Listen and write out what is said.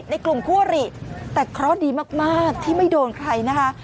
ในกลุ่มคั่วหรี่แต่เคราะห์ดีมากที่ไม่โดนใครนะคะ